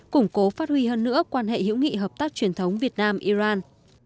củng cố phát huy hơn nữa quan hệ hữu nghị hợp tác truyền thống việt nam iran